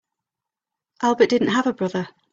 Albert didn't have a brother.